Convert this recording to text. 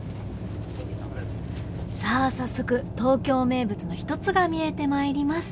さあ早速東京名物の一つが見えてまいります。